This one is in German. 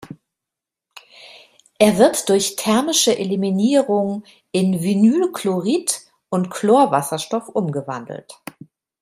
Es wird durch thermische Eliminierung in Vinylchlorid und Chlorwasserstoff umgewandelt.